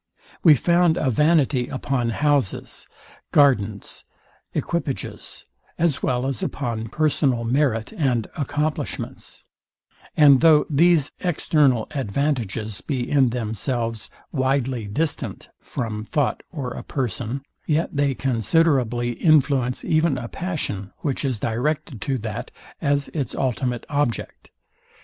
We found a vanity upon houses, gardens, equipages, as well as upon personal merit and accomplishments; and though these external advantages be in themselves widely distant from thought or a person, yet they considerably influence even a passion, which is directed to that as its ultimate object.